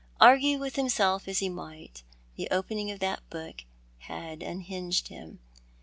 Argue with himself as he might, the opening of that book had unhinged him.